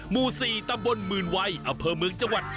หมู่๔ตำบลหมื่นวัยอำเภอเมืองจังหวัด